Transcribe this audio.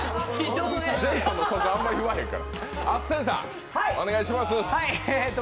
ジェイソンもそこあんまり言わないのよ。